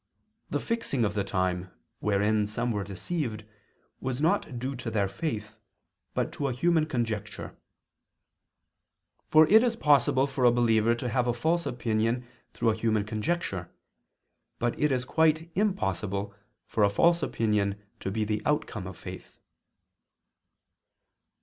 The fixing of the time, wherein some were deceived was not due to their faith, but to a human conjecture. For it is possible for a believer to have a false opinion through a human conjecture, but it is quite impossible for a false opinion to be the outcome of faith.